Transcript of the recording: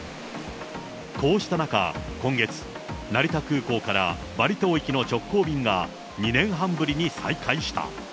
こうした中、今月、成田空港からバリ島行きの直行便が２年半ぶりに再開した。